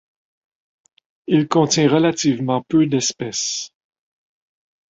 Il contient relativement peu d'espèces.